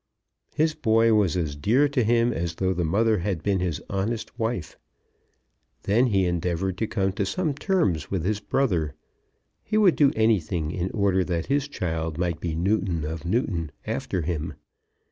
His boy was as dear to him, as though the mother had been his honest wife. Then he endeavoured to come to some terms with his brother. He would do anything in order that his child might be Newton of Newton after him.